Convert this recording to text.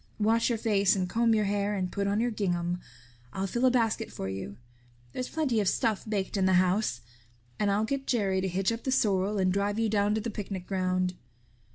Wash your face and comb your hair and put on your gingham. I'll fill a basket for you. There's plenty of stuff baked in the house. And I'll get Jerry to hitch up the sorrel and drive you down to the picnic ground."